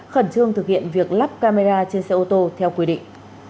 khẩn trương thực hiện việc lắp camera trên xe ô tô theo quy định